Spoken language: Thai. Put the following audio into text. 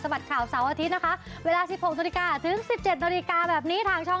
สวัสดีค่ะ